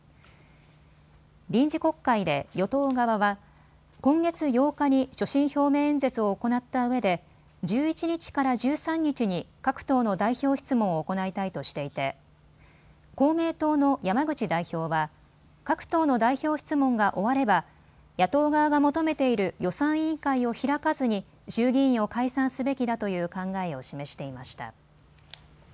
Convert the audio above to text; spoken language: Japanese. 臨時国会で与党側は今月８日に所信表明演説を行ったうえで１１日から１３日に各党の代表質問を行いたいとしていて公明党の山口代表は各党の代表質問が終われば野党側が求めている予算委員会を開かずに衆議院を解散すべきだという考えを示していました。